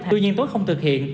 tuy nhiên tốt không thực hiện